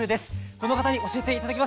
この方に教えて頂きます。